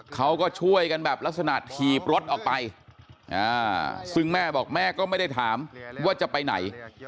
เขาก็ช่วยกันแบบลักษณะถีบรถออกไปซึ่งแม่บอกแม่ก็ไม่ได้ถามว่าจะไปไหน